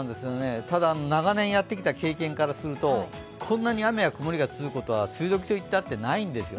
ただ、長年やってきた経験からすると、こんなに雨や曇りが続くことは、梅雨時といったって、ないんです。